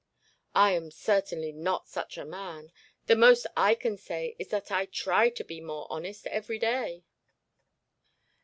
'I am certainly not such a man. The most I can say is that I try to be more honest every day.'